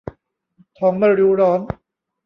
ทองไม่รู้ร้อน